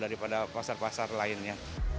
daripada pasar pasar lainnya